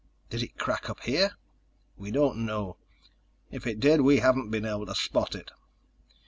"Did it crack up here?" "We don't know. If it did, we haven't been able to spot it.